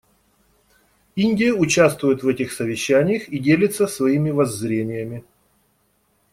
Индия участвует в этих совещаниях и делится своими воззрениями.